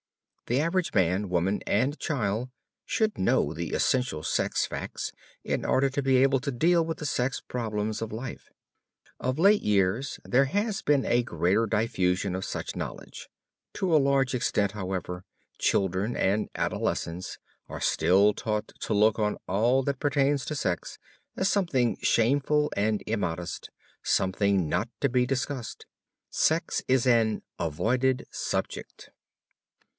The average man, woman and child should know the essential sex facts in order to be able to deal with the sex problems of life. Of late years there has been a greater diffusion of such knowledge. To a large extent, however, children and adolescents are still taught to look on all that pertains to sex as something shameful and immodest, something not to be discussed. Sex is an "Avoided Subject."